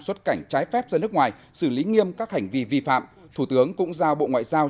xuất cảnh trái phép ra nước ngoài xử lý nghiêm các hành vi vi phạm thủ tướng cũng giao bộ ngoại giao